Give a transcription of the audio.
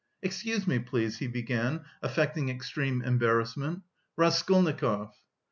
"Excuse me, please," he began, affecting extreme embarrassment. "Raskolnikov."